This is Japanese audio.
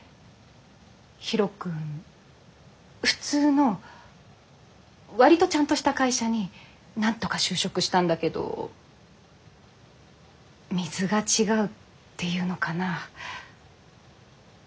ヒロ君普通の割とちゃんとした会社になんとか就職したんだけど水が違うっていうのかな。